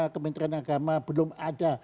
kementerian agama belum ada